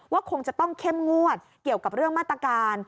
คงจะต้องเข้มงวดเกี่ยวกับเรื่องมาตรการ